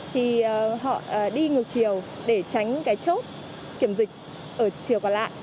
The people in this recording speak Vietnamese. thì họ đi ngược chiều để tránh cái chốt kiểm dịch ở chiều còn lại